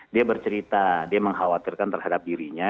dia bercerita dia mengkhawatirkan terhadap dirinya